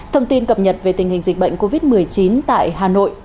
thông tin cập nhật về tình hình dịch bệnh covid một mươi chín tại hà nội